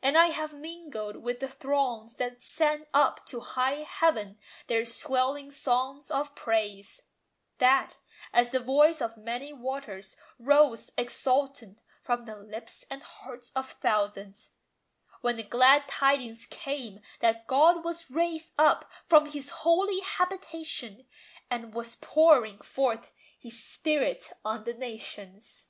And I have mingled with the throngs that sent Up to high heaven their swelling song of praise, That, as "the voice of many waters," rose Exultant from the lips and hearts of thousands, When the glad tidings came that "God was raised Up from His holy habitation" and Was pouring forth His Spirit on the nations.